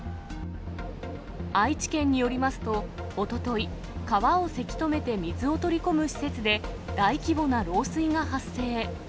愛知県によりますと、おととい、川をせき止めて水を取り込む施設で、大規模な漏水が発生。